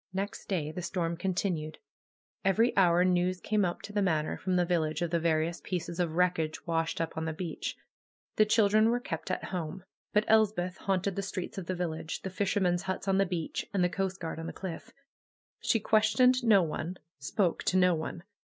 Next day the storm continued. Every hour news came up to the Manor from the village of the various pieces of wreckage washed up on the beach. The chil dren were kept at home. But Elspeth haunted the streets of the village, the fishermen's huts on the beach, and the coast guard on the cliff. She questioned no one, spoke to no one.